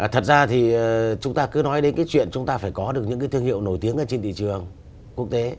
thật ra thì chúng ta cứ nói đến cái chuyện chúng ta phải có được những cái thương hiệu nổi tiếng ở trên thị trường quốc tế